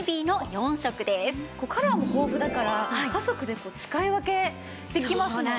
カラーも豊富だから家族で使い分けできますもんね。